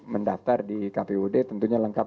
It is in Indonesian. mendaftar di kpud tentunya lengkap